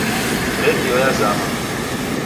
Redio yazama.